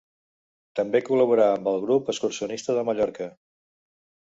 També col·laborà amb el Grup Excursionista de Mallorca.